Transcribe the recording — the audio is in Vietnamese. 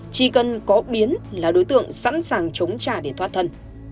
chỉ cần có biến là đối tượng sẵn sàng chống trả để thoát thân